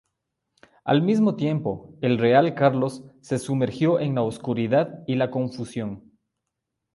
Al mismo tiempo, el "Real Carlos" se sumergió en la oscuridad y la confusión.